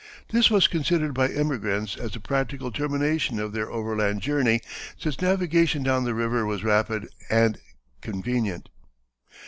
This was considered by emigrants as the practical termination of their overland journey since navigation down the river was rapid and convenient.